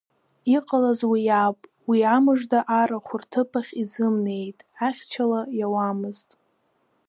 Иҟалаз уи ауп, уи амыжда арахә рҭыԥахь изымнеит, ахьчала иауамызт.